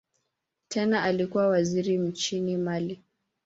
Tena alikuwa waziri nchini Mali.